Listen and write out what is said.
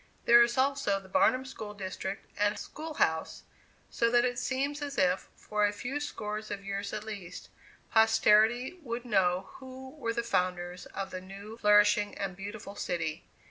There is also the "Barnum School District" and school house; so that it seems as if, for a few scores of years at least, posterity would know who were the founders of the new, flourishing and beautiful city.